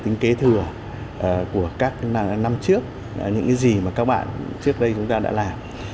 tính kế thừa của các năm trước những gì mà các bạn trước đây chúng ta đã làm